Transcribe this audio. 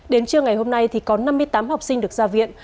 đến trưa ngày hôm nay thì có năm mươi tám học sinh được ra viện